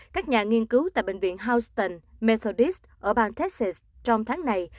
các nhà nghiên cứu tại bệnh viện houston methodist ở bang texas trong tháng này